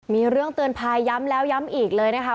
มีเรื่องเตือนภัยย้ำแล้วย้ำอีกเลยนะคะ